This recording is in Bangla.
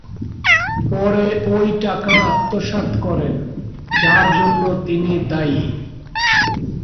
পরে ওই টাকা আত্মসাৎ করেন, যার জন্য তিনি দায়ী।